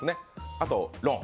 あと、ロン。